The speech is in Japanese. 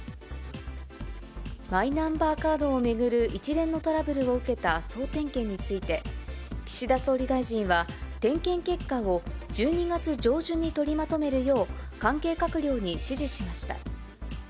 マイナンバーカードを巡る一連のトラブルを受けた総点検について、岸田総理大臣は、点検結果を１２月上旬に取りまとめるよう、関係閣僚に指示しました。